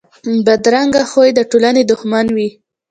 بدرنګه خوی د ټولنې دښمن وي